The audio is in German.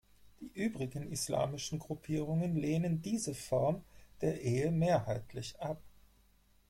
Die übrigen islamischen Gruppierungen lehnen diese Form der Ehe mehrheitlich ab.